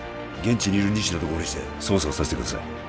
現地にいる西野と合流して捜査をさせてください